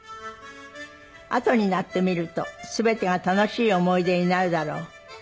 「あとになって見ると全てが楽しい思い出になるだろう」